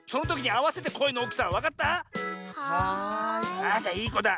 ああじゃいいこだ。